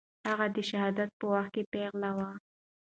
هغه د شهادت په وخت پېغله وه.